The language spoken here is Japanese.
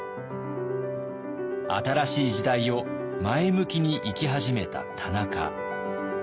新しい時代を前向きに生き始めた田中。